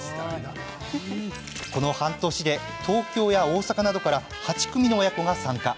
この半年で東京や大阪などから８組の親子が参加。